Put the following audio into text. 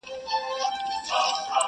په سبا به آوازه سوه په وطن کي!.